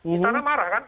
istana marah kan